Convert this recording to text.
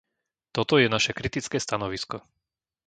Toto je naše kritické stanovisko.